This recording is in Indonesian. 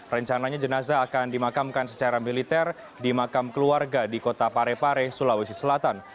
rencananya jenazah akan dimakamkan secara militer di makam keluarga di kota parepare sulawesi selatan